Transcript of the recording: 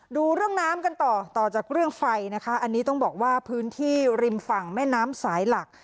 ดูเรื่องน้ำกันต่อต่อจากเรื่องไฟนะคะอันนี้ต้องบอกว่าพื้นที่ริมฝั่งแม่น้ำสายหลัก